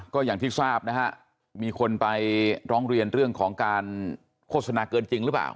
ก็อย่างที่ทราบนะฮะมีคนไปร้องเรียนเรื่องของการโฆษณาเกินจริงหรือเปล่า